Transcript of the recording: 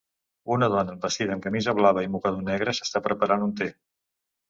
Una dona vestida amb camisa blava i mocador negre s'està preparant un te